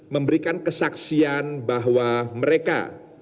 memberikan kesaksian bahwa mereka